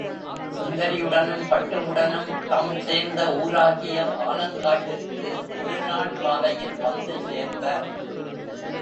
சுந்தரியுடனும், பட்டுவுடனும் தம் சேர்ந்த ஊராகிய ஆலங்காட்டுக்கு ஒருநாள் காலையில் வந்து சேர்ந்தார்.